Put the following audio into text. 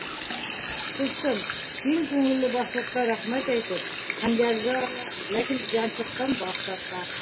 Ҡустым, киң күңелле башлыҡҡа рәхмәт әйтеп, хәнйәрҙе ала, ләкин янсыҡтан баш тарта.